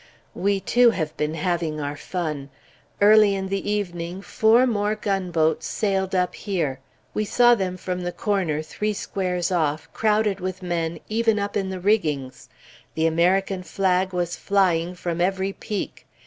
We, too, have been having our fun. Early in the evening, four more gunboats sailed up here. We saw them from the corner, three squares off, crowded with men even up in the riggings. The American flag was flying from every peak.